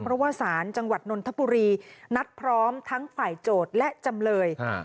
เพราะว่าศาลจังหวัดนนทบุรีนัดพร้อมทั้งฝ่ายโจทย์และจำเลย